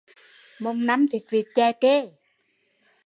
Mồng năm thịt vịt chè kê